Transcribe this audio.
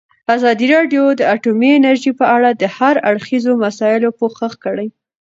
ازادي راډیو د اټومي انرژي په اړه د هر اړخیزو مسایلو پوښښ کړی.